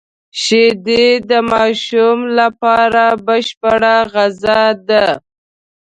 شیدې د ماشوم لپاره بشپړه غذا ده